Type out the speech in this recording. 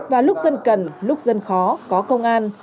và lúc dân cần lúc dân khó có công an